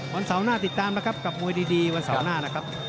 วันเสาร์หน้าติดตามนะครับกับมวยดีวันเสาร์หน้านะครับ